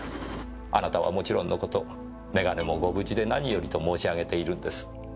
あなたはもちろんの事眼鏡もご無事で何よりと申し上げているんです。